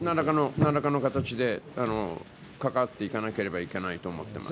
何らかの形で関わっていかなければいけないと思っています。